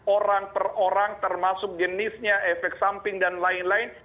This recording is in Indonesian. orang per orang termasuk jenisnya efek samping dan lain lain